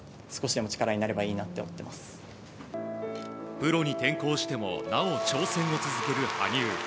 プロに転向してもなお挑戦を続ける羽生。